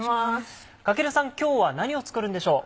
駈さん今日は何を作るんでしょう？